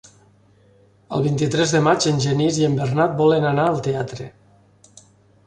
El vint-i-tres de maig en Genís i en Bernat volen anar al teatre.